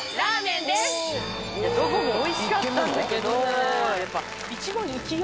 どこもおいしかったんだけど。